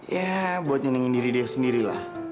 ya buat nyenengin diri dia sendiri lah